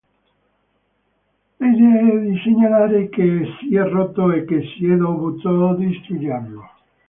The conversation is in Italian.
L'idea è di segnalare che si è rotto e che si è dovuto distruggerlo.